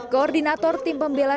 koordinator tim pembela